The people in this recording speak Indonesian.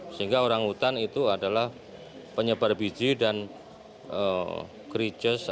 sehingga orangutan itu adalah penyebar biji dan krijes